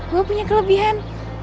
gue punya kelebihan